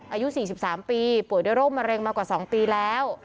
อายุ๔๓ปีป่วยด้วยโรคมะเร็งมากว่า๒ปีแล้ว